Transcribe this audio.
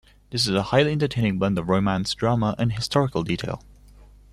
This is a highly entertaining blend of romance, drama and historical detail.